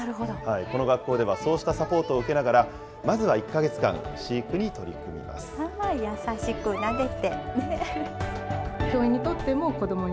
この学校ではそうしたサポートを受けながら、まずは１か月間、飼優しくなでて。